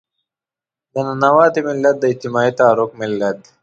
د ننواتې ملت، د اجتماعي تحرک ملت.